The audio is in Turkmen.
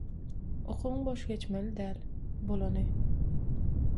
Okuň boş geçmeli däl. Bolany.